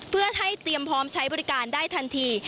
เพื่อให้เตรียมพร้อมใช้บริการได้ทันที